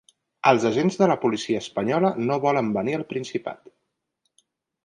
Els agents de la policia espanyola no volen venir al Principat.